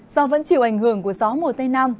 do vẫn chịu ảnh hưởng của gió mùa tây nam